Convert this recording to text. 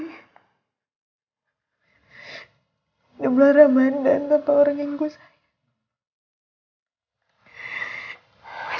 kebelar ramadan tanpa orang yang gue sayang